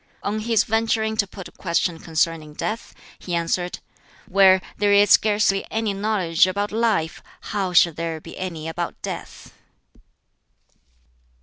On his venturing to put a question concerning death, he answered, "Where there is scarcely any knowledge about life, how shall there be any about death?"